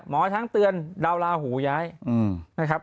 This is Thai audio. ทั้งเตือนดาวลาหูย้ายนะครับ